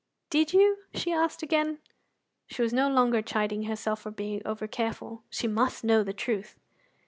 "Did you?" she asked again. She was no longer chiding herself for being over careful; she must know the truth.